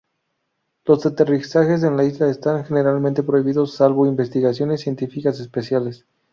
Los aterrizajes en la isla están generalmente prohibidos salvo investigaciones científicas especiales.